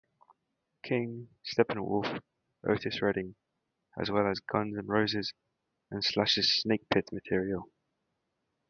King, Steppenwolf, Otis Redding, as well as Guns N' Roses and Slash's Snakepit material.